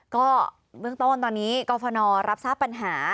ก็เบื้องต้นตอนนี้กรฟนรับทราบปัญหา